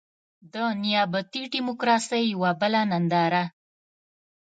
د نيابتي ډيموکراسۍ يوه بله ننداره.